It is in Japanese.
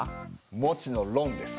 もちのろんです。